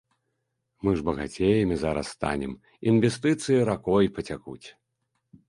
Мы ж багацеямі зараз станем, інвестыцыі ракой пацякуць.